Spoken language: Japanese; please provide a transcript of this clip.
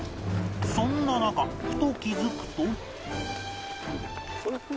そんな中ふと気づくと